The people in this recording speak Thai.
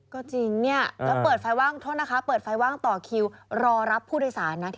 ก็จริงจะเปิดไฟว่างต่อคิวรอรับผู้โดยสารนะ